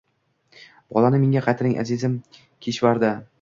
Bolani menga qaytaring, azizim Kishvardi.